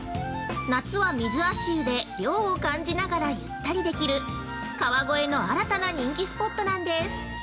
夏は水足湯で涼を感じながらゆったりできる川越の新たな人気スポットなんです。